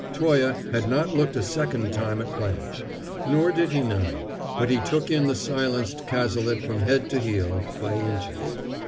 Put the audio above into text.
Toye had not looked a second time at Blanche; nor did he now; but he took in the silenced Cazalet from head to heel, by inches.